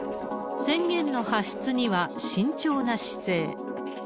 宣言の発出には慎重な姿勢。